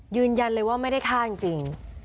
ยืนยันเลยว่าไม่ได้ฆ่าจริง